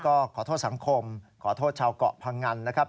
ก็ขอโทษสังคมขอโทษชาวเกาะพังงันนะครับ